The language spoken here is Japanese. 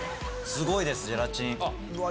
すごいですゼラチンうわ